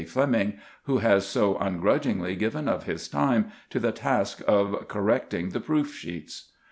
Fleming, who has so ungrudgingly given of his time to the task of correcting the proof sheets.